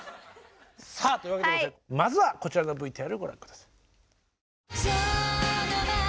さあというわけでございましてまずはこちらのＶＴＲをご覧下さい。